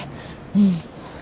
うん。